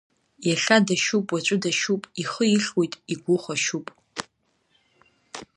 Иахьа дашьуп, уаҵәы дашьуп, ихы ихьуеит, игәы хәашьуп.